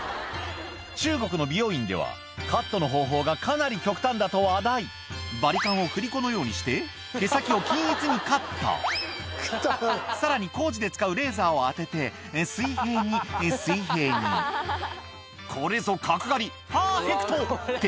中国の美容院ではカットの方法がかなり極端だと話題バリカンを振り子のようにして毛先を均一にカットさらに工事で使うレーザーを当てて水平に水平にこれぞ角刈りパーフェクト！って